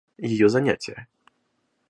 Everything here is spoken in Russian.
Ее занятия.